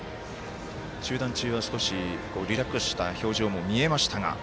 中断中は少しリラックスした表情も見えましたが。